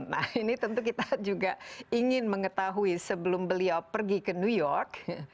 nah ini tentu kita juga ingin mengetahui sebelum beliau pergi ke new york